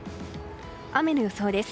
雨の予想です。